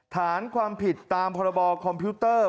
ฐานความผิดตามพรบคอมพิวเตอร์